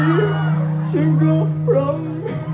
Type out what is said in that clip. นายต้องรักแก